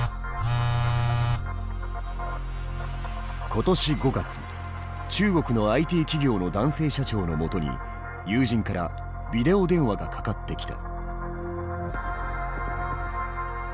今年５月中国のＩＴ企業の男性社長のもとに友人からビデオ電話がかかってきた。